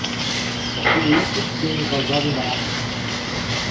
Tudo isto tem me causado embaraços